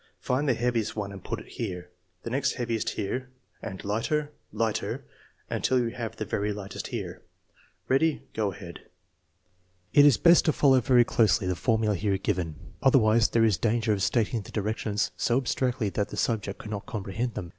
Find the heaviest one and put it here, the next heaviest here, and lighter, lighter, until you have the very lightest here. Ready; go ahead" J It is best to follow very closely the formula here given, otherwise there is danger of stating the directions so ab stractly that the subject could not comprehend them.